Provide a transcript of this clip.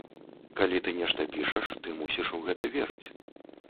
Калі ты нешта пішаш, ты мусіш у гэта верыць.